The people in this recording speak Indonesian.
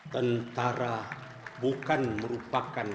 tentara bukan merupakan